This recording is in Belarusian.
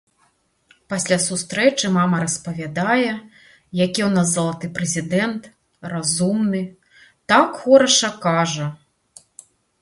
Пасля сустрэчы мама распавядае, які ў нас залаты прэзідэнт, разумны, так хораша кажа.